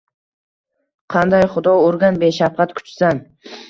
Qanday Xudo urgan beshafqat kuchsan